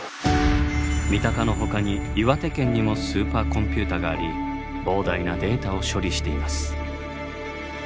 三鷹のほかに岩手県にもスーパーコンピューターがあり膨大なデータを処理しています。